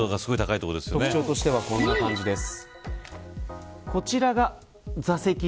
特徴としてはこのような感じです。